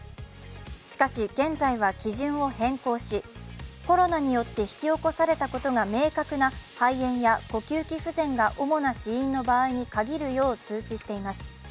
しかし、現在は基準を変更し、コロナによって引き起こされたことが明確な肺炎や呼吸器不全が主な死因の場合に限るよう通知しています。